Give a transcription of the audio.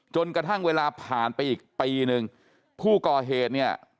จนกระทั่งเวลาผ่านไปอีกปีนึงผู้ก่อเหตุเนี่ย